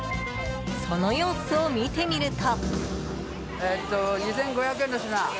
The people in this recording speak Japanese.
その様子を見てみると。